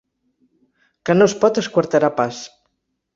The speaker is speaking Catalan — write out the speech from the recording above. Que no es pot esquarterar pas.